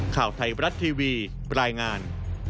ข่าวไทยบรัฐทีวีรายงาน